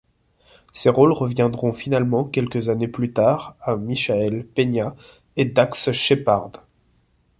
Ces rôles reviendront finalement quelques années plus tard à Michael Peña et Dax Shepard.